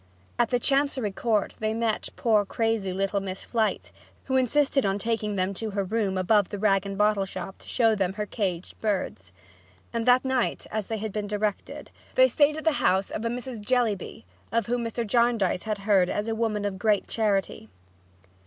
At the Chancery Court they met poor, crazy little Miss Flite, who insisted on taking them to her room above the rag and bottle shop to show them her caged birds. And that night (as they had been directed) they stayed at the house of a Mrs. Jellyby, of whom Mr. Jarndyce had heard as a woman of great charity.